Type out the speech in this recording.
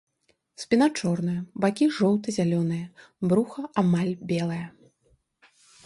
Спіна чорная, бакі жоўта-зялёныя, бруха амаль белае.